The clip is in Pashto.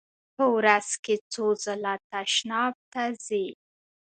په ورځ کې څو ځله تشناب ته ځئ؟